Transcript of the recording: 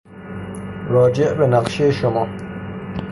راجع به نقشهی شما